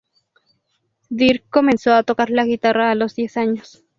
Dirk comenzó a tocar la guitarra a los diez años.